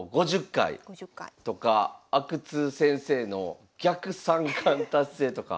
５０回とか阿久津先生の逆三冠達成とか。